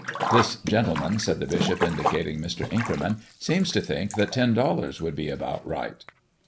"This gentleman," said the bishop, indicating Mr. Inkerman, "seems to think that ten dollars would be about right."